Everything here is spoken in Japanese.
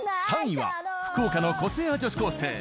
３位は福岡の個性派女子高生